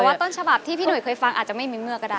แต่ว่าต้นฉบับที่พี่หุ่เคยฟังอาจจะไม่มีเมื่อก็ได้